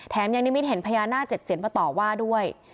แถมยังนิมิตเห็นพญานาคเจ็ดเสียนมาตอบว่าด้วย